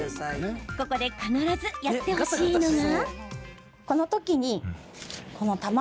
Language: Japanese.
ここで必ずやってほしいのが。